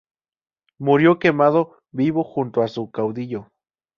Murió quemado vivo junto a su caudillo.